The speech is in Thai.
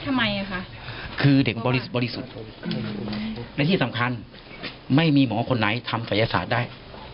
ทำไมอ่ะคะคือเด็กบริสุทธิ์และที่สำคัญไม่มีหมอคนไหนทำศัยศาสตร์ได้